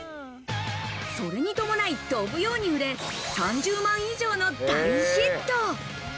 それに伴い、飛ぶように売れ、３０万以上の大ヒット。